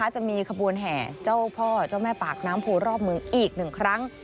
จะมีขบวนแห่เจ้าพ่อเจ้าแม่ปากน้ำโพรอบเมืองอีก๑ครั้ง